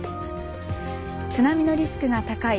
津波のリスクが高い